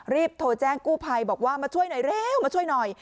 รีบโทรแจ้งกู้ภัยบอกว่ามาช่วยหน่อยเร็วมาช่วยหน่อย